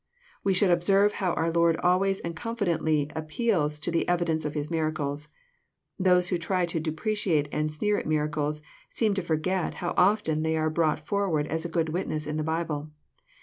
We should observe how our Lord always and confidently ap peals to the evidence of His miracles. Those who try to depre ciate and sneer at miracles, seem to forget how often they are brought forward as good witnesses in the Bible.